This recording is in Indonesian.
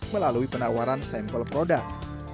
melalui penawaran sampel produk